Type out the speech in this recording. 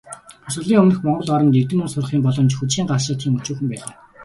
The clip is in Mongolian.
Хувьсгалын өмнөх монгол оронд, эрдэм ном сурахын боломж "хүжийн гал" шиг тийм өчүүхэн байлаа.